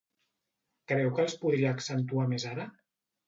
Creu que els podria accentuar més ara?